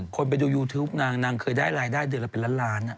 คนไปดูยูทูปนางนางเคยได้รายได้เดือนละเป็นล้านล้าน